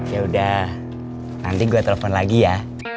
yaudah nanti gue telepon lagi ya